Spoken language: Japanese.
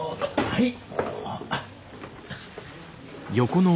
はい。